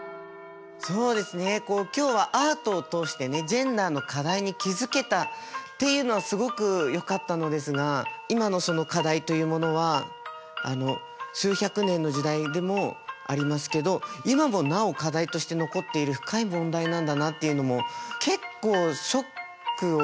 そうですね今日はアートを通してねジェンダーの課題に気づけたっていうのはすごくよかったのですが今のその課題というものは数百年の時代でもありますけど今もなお課題として残っている深い問題なんだなっていうのも結構ショックを受けました。